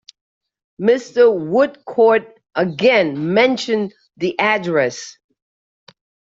Mr. Woodcourt again mentioned the address.